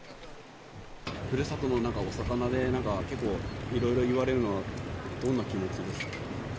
ふるさとのお魚で、結構いろいろ言われるのはどんな気持ちですか？